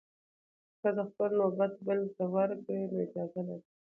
که ښځه خپل نوبت بلې ته ورکړي، نو اجازه لري.